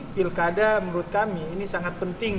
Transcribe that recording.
pilkada menurut kami ini sangat penting